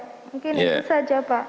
mungkin ini saja pak